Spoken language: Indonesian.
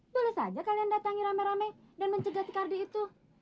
boleh saja kalian datangi rame rame dan mencegah tikardi itu